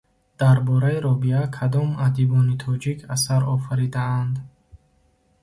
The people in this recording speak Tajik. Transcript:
Дар бораи Робиа кадом адибони тоҷик асар офаридаанд?